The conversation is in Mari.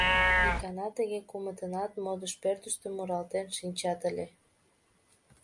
Икана тыге кумытынат модыш пӧртыштӧ муралтен шинчат ыле.